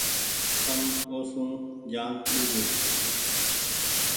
تم او سون جآن ٻوجوُ ۔